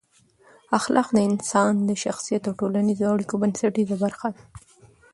اخلاق د انسان د شخصیت او ټولنیزو اړیکو بنسټیزه برخه ده.